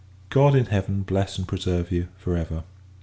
God in Heaven bless and preserve you, for ever!